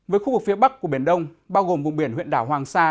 với khu vực phía bắc của biển đông bao gồm vùng biển huyện đảo hoàng sa